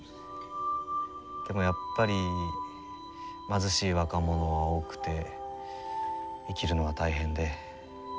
でもやっぱり貧しい若者は多くて生きるのは大変で。